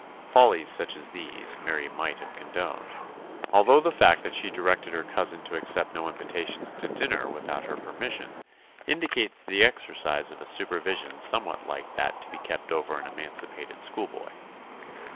Follies such as these Mary might have condoned, although the fact that she directed her cousin to accept no invitations to dinner without her permission indicates the exercise of a supervision somewhat like that to be kept over an emancipated schoolboy.